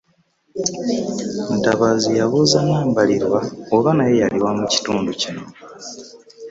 Ntambazi yabuuza Nambalirwa oba naye yali wa mu kitundu kino